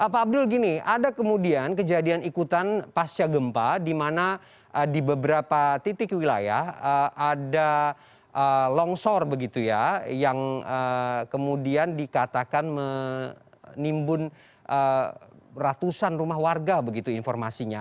pak abdul gini ada kemudian kejadian ikutan pasca gempa di mana di beberapa titik wilayah ada longsor begitu ya yang kemudian dikatakan menimbun ratusan rumah warga begitu informasinya